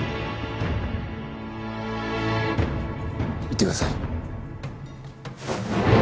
行ってください。